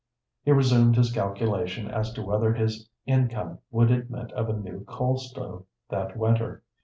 He resumed his calculation as to whether his income would admit of a new coal stove that winter.